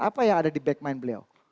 apa yang ada di back mind beliau